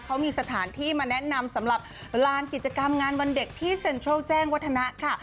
เขามีสถานที่มาแนะนำสำหรับลานกิจกรรมงานวันเด็กที่เซ็นทรัลแจ้งวัฒนะค่ะ